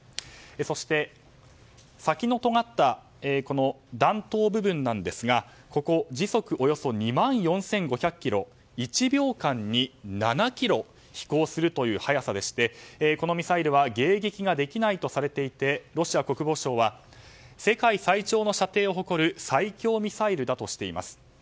そして、先のとがった弾頭部分なんですがここ時速およそ２万４５００キロ１秒間に７ｋｍ飛行するという速さでしてこのミサイルは迎撃ができないとされていてロシア国防省は世界最長の射程を誇る最強ミサイルだとしています。